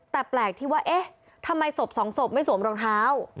แต่แปลกที่ว่าเอ๊ะทำไมศพสองศพไม่สวมรองเท้า